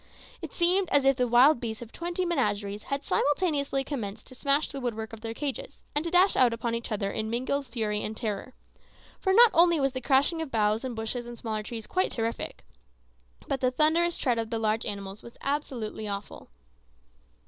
It seemed as if the wild beasts of twenty menageries had simultaneously commenced to smash the woodwork of their cages, and to dash out upon each other in mingled fury and terror; for not only was the crashing of boughs and bushes and smaller trees quite terrific, but the thunderous tread of the large animals was absolutely awful.